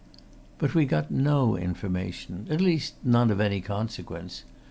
But we got no information at least, none of any consequence.